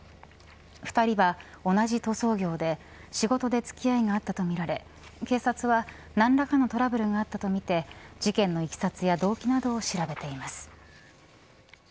２人は同じ塗装業で仕事で付き合いがあったとみられ警察は何らかのトラブルがあったとみて事件のいきさつや動機などを調べています。